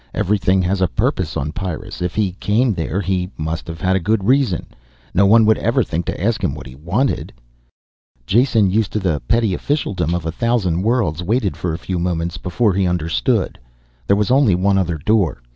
Everything has a purpose on Pyrrus. If he came there he must have had a good reason. No one would ever think to ask him what he wanted. Jason, used to the petty officialdom of a thousand worlds, waited for a few moments before he understood. There was only one other door.